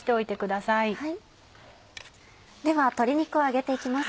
では鶏肉を揚げて行きます。